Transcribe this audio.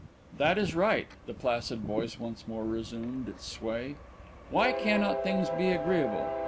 "That is right." The placid voice once more resumed its sway. "Why cannot things be agreeable?